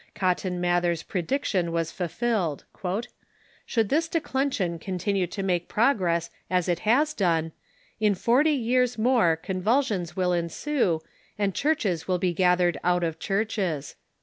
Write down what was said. Cotton Mather's pre diction was fulfilled: ''Should this declension continue to make progress as it has done, in forty years more convulsions will ensue, and churches will be gathered out of churches."